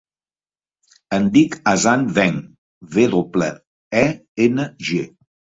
Em dic Hassan Weng: ve doble, e, ena, ge.